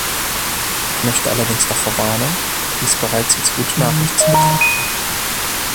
Ich möchte allerdings davor warnen, dies bereits als gute Nachricht zu betrachten.